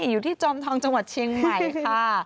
อยู่ที่จอมทองจังหวัดเชียงใหม่ค่ะ